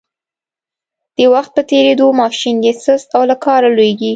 د وخت په تېرېدو ماشین یې سست او له کاره لویږي.